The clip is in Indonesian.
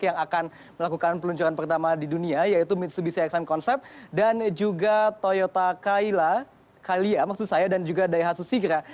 yang akan melakukan peluncuran pertama di dunia yaitu mitsubishi exxon concept dan juga toyota kayla calia maksud saya dan juga daihatsu sigra